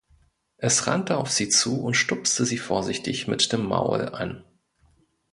Es rannte auf sie zu und stupste sie vorsichtig mit dem Maul an.